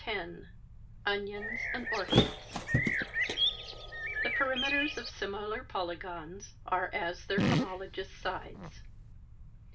X Onions and Orchids "The perimeters of similar polygons are as their homologous sides."